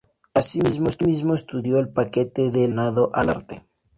Asimismo estudió el papel del aficionado al arte.